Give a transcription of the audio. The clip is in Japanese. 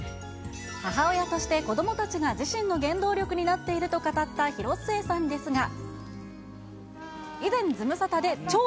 母親として、子どもたちが自身の原動力になっていると語った広末さんですが。